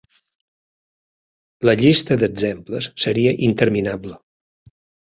La llista d'exemples seria interminable...